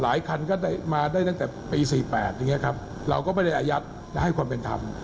หลายคันก็มาได้ตั้งแต่ปี๔๘เราก็ไม่ได้อายัดแต่ให้ความเป็นธรรม